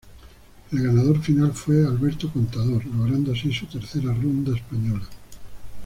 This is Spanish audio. El ganador final fue Alberto Contador, logrando así su tercera ronda española.